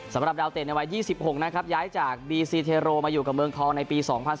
สำหรับดาวเตะในวัย๒๖นะครับย้ายจากบีซีเทโรมาอยู่กับเมืองทองในปี๒๐๑๙